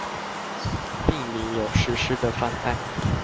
並擬有實施的方案